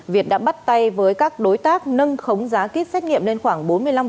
việt đã bắt tay với các đối tác nâng khống giá kýt xét nghiệm lên khoảng bốn mươi năm